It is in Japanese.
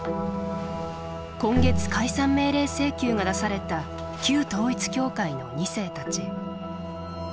今月解散命令請求が出された旧統一教会の２世たち。